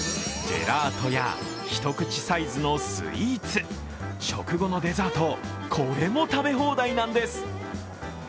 ジェラートや一口サイズのスイーツ食後のデザート、これも食べ放題なんです。